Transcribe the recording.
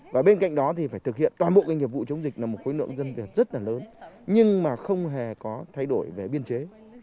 và bên cạnh đó thì phải thực hiện toàn bộ cái nghiệp vụ chống dịch là một khối lượng dân việc rất là lớn nhưng mà không hề có thay đổi về biên chế